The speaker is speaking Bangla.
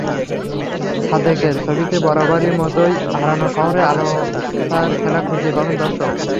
সাদেকের ছবিতে বরাবরের মতোই হারানো শহরে আলো-ছায়ার খেলা খুঁজে পাবেন দর্শক।